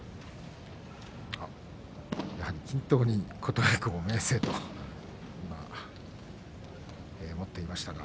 やはり均等に琴恵光、明生とタオルを持っていました。